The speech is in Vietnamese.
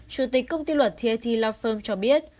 chủ tịch công ty luật thierry lauffen cho biết